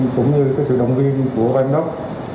cũng như sự động viên của bang đốc